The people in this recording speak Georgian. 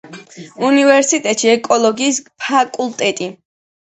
უნივერსიტეტში ეკოლოგიის ფაკულტეტზე.